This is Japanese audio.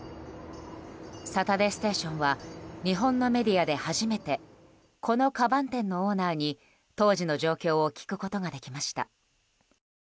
「サタデーステーション」は日本のメディアで初めてこのかばん店のオーナーに当時の状況を聞くことができました。